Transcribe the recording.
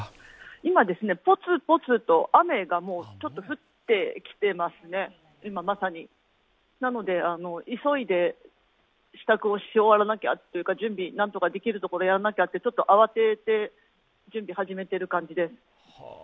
今、ポツポツと雨がもう降ってきていますね、今まさに、なので急いで支度を終わらなきゃというか準備をなんとかできるところをやらなきゃと、慌てて準備を始めている感じです。